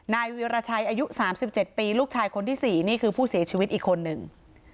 นายวีรชัยอายุ๓๗ปีลูกชายคนที่๔นี่คือผู้เสียชีวิตอีกคนหนึ่ง